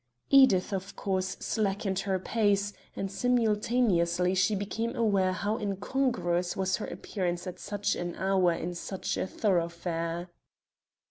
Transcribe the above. Edith, of course, slackened her pace, and simultaneously she became aware how incongruous was her appearance at such an hour in such a thoroughfare.